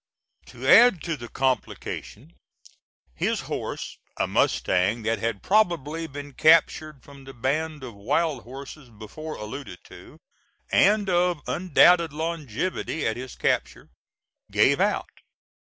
To add to the complication, his horse a mustang that had probably been captured from the band of wild horses before alluded to, and of undoubted longevity at his capture gave out.